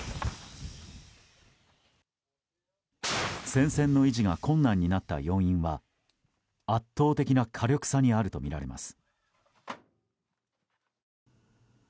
戦線の維持が困難になった要因は圧倒的な火力差にあるとみられます。